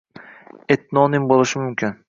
Etnonim bo‘lishi mumkin.